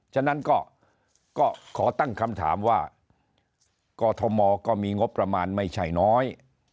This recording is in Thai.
ฉะนั้นก็ขอตั้งคำถามว่ากอทมก็มีงบประมาณไม่ใช่น้อย